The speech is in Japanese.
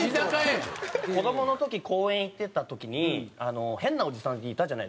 子供の時公園行ってた時に変なおじさんっていたじゃないですか。